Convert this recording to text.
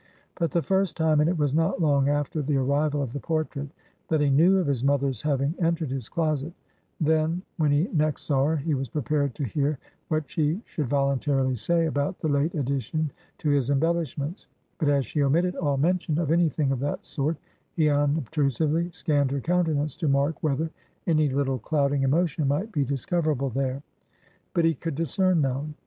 But the first time and it was not long after the arrival of the portrait that he knew of his mother's having entered his closet; then, when he next saw her, he was prepared to hear what she should voluntarily say about the late addition to its embellishments; but as she omitted all mention of any thing of that sort, he unobtrusively scanned her countenance, to mark whether any little clouding emotion might be discoverable there. But he could discern none.